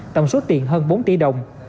tổng số tiền hơn bốn tỷ đồng